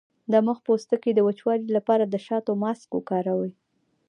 د مخ د پوستکي د وچوالي لپاره د شاتو ماسک وکاروئ